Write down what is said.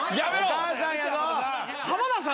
お母さんやぞ！